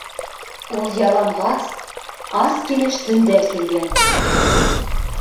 — Ул яланғас, ас килеш төндә килгән.